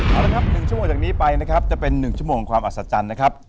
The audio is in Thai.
เอาล่ะครับ๑ชมจากนี้ไปนะครับเดี๋ยวจะเป็น๑ชมของความอัศจรรย์นะครับ